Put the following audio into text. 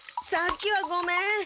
さっきはごめん。